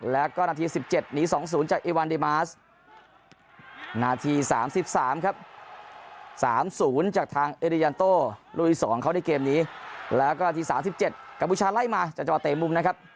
แล้วก็หน้าทีสิบเจ็ดหนีสองศูนย์จากอิวัลดีมาร์สนาทีสามสิบสามครับ